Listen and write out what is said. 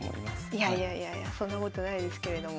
いやいやいやいやそんなことないですけれども。